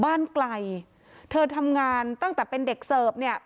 ไกลเธอทำงานตั้งแต่เป็นเด็กเสิร์ฟเนี่ย